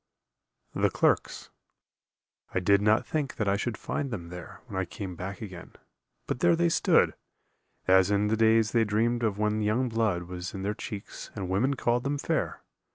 The Clerks I did not think that I should find them there When I came back again; but there they stood, As in the days they dreamed of when young blood Was in their cheeks and women called them fair.